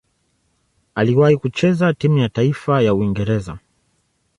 Aliwahi kucheza timu ya taifa ya Uingereza.